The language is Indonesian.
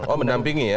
oh mendampingi ya